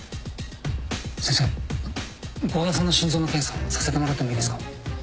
先生郷田さんの心臓の検査させてもらってもいいですか？